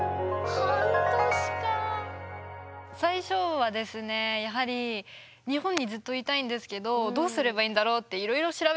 最初はですねやはり日本にずっといたいんですけどどうすればいいんだろうっていろいろ調べたんですね。